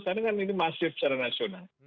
karena kan ini masif secara nasional